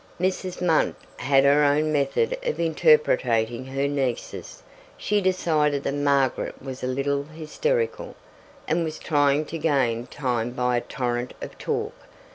Mrs. Munt had her own method of interpreting her nieces. She decided that Margaret was a little hysterical, and was trying to gain time by a torrent of talk.